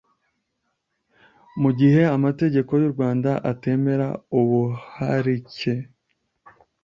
Mu gihe amategeko y’u Rwanda atemera ubuharike